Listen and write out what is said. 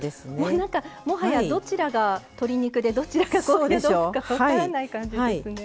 なんかもはやどちらが鶏肉でどちらが高野豆腐か分からない感じですね。